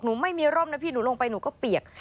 ไม่มีร่มนะพี่หนูลงไปหนูก็เปียก